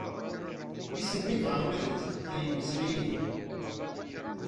Wisen ma yebɣa ula d netta ad yemeslay d yid-i?